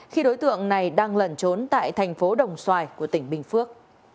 khi đối tượng này đang lẩn trốn tại thành phố đồng xoài của tỉnh bình phước